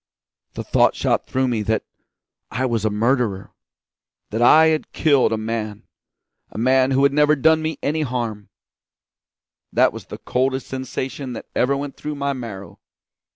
The thought shot through me that I was a murderer; that I had killed a man a man who had never done me any harm. That was the coldest sensation that ever went through my marrow.